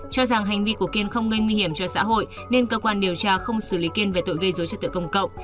cho rằng hành vi của kiên không gây nguy hiểm cho xã hội nên cơ quan điều tra không xử lý kiên về tội gây dối trật tự công cộng